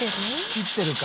切ってるか？